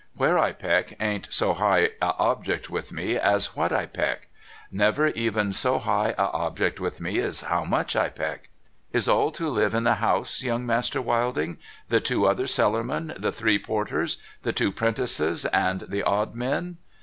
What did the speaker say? ^\'here I peck ain't so high a object with me as What I peck. Nor even so high a object with me as How Much I peck. Is all to live in the house. Young Master Wilding ? The two other cellarmen, the three porters, the two 'prentices, and the odd men